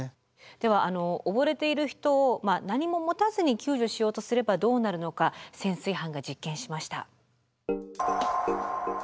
ではあの溺れている人を何も持たずに救助しようとすればどうなるのか潜水班が実験しました。